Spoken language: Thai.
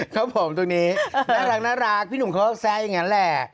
ครับผมตรงนี้น่ารักพี่หนุ่มเขาแซ่ยังไงน่ะแหละ